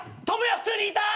普通にいた！